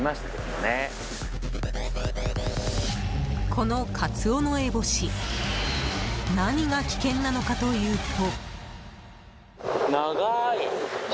このカツオノエボシ何が危険なのかというと。